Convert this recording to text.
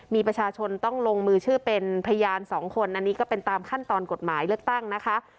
มีประชาชนต้องลงมือชื่อเป็นพยานสองคนอันนี้ก็เป็นตามขั้นตอนกฎหมายเลือกตั้งนะคะ